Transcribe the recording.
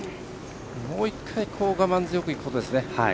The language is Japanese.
もう１回我慢強くいくことですね。